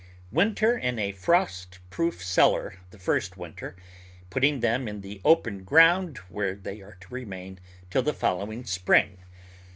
Winter in a frost proof cellar the first winter, putting them in the open ground where they are to remain till the following spring.